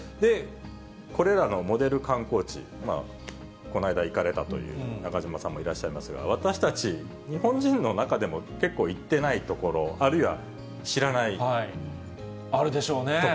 これらのモデル観光地、この間行かれたという中島さんもいらっしゃいますが、私たち日本人の中でも、結構行ってない所、あるいは知らない所。